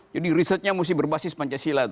jadi risetnya mesti berbasis pancasila